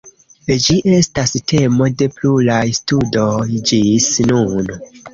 Ĝi estas temo de pluraj studoj ĝis nun.